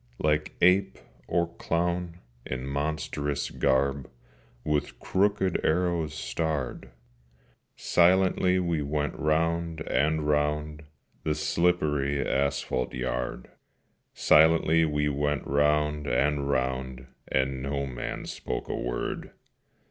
Like ape or clown, in monstrous garb With crooked arrows starred, Silently we went round and round The slippery asphalte yard; Silently we went round and round, And no man spoke a word.